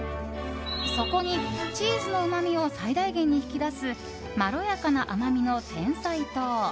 そこにチーズのうまみを最大限に引き出すまろやかな甘みのてんさい糖。